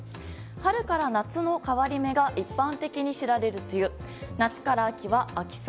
春から夏の変わり目が一般的に知られる梅雨夏から秋は秋雨